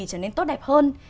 trở nên tốt đẹp hơn